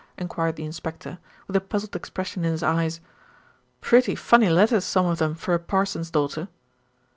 enquired the inspector, with a puzzled expression in his eyes. "Pretty funny letters some of them for a parson's daughter."